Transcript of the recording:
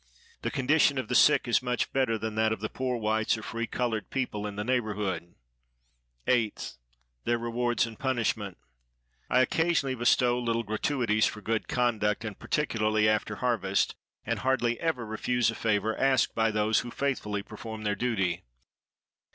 The condition of the sick is much better than that of the poor whites or free colored people in the neighborhood. 8th. "Their rewards and punishments."—I occasionally bestow little gratuities for good conduct, and particularly after harvest; and hardly ever refuse a favor asked by those who faithfully perform their duty.